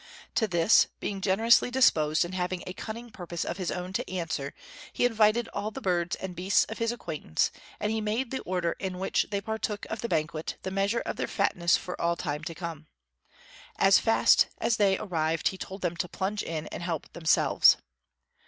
To this, being generously disposed and having a cunning purpose of his own to answer, he invited all the birds and beasts of his acquaintance; and he made the order in which they partook of the banquet the measure of their fatness for all time to come. As fast as they arrived he told them to plunge in and help themselves.